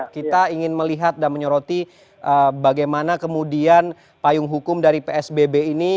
kita ingin melihat dan menyoroti bagaimana kemudian payung hukum dari psbb ini